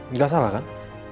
nggak salah kan